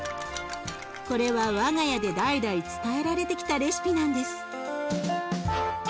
これは我が家で代々伝えられてきたレシピなんです。